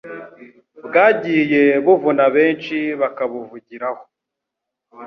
Bwagiye buvuna benshi bakabuvugiraho.